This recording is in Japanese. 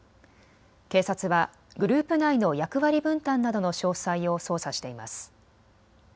警察はグループ内の役割分担などの詳細を捜査しています。